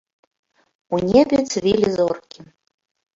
У небе цвілі зоркі.